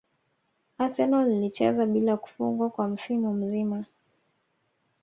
Arsenal ilicheza bila kufungwa kwa msimu mzima